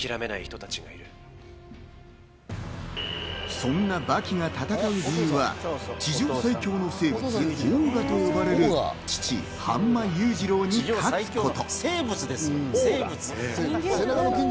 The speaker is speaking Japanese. そんな刃牙が戦う理由は、地上最強の生物と呼ばれる父・範馬勇次郎に勝つこと。